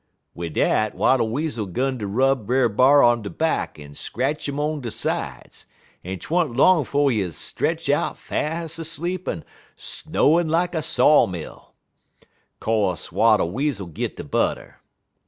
"Wid dat Wattle Weasel 'gun ter rub Brer B'ar on de back en scratch 'im on de sides, en 't wa'n't long 'fo' he 'uz stretch out fast asleep en sno'in' lak a saw mill. Co'se Wattle Weasel git de butter.